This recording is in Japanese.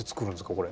これ。